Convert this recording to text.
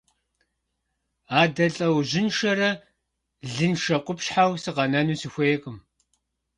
Адэ лъэужьыншэрэ лыншэ къупщхьэу сыкъэнэну сыхуейкъым.